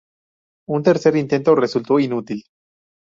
Un tercer intento resultó inútil.